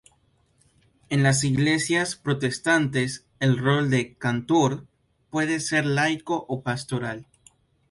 En las iglesias protestantes, el rol del "Kantor" puede ser laico o pastoral.